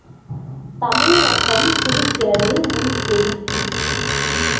தமிழ் ரத்தம் துடிக்கிறது, உன் கேள்வியில்.